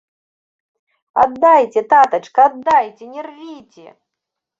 Аддайце, татачка, аддайце, не рвіце!